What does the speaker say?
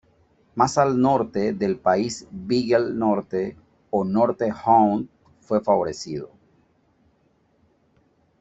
Más al norte del País Beagle Norte o Norte Hound fue favorecido.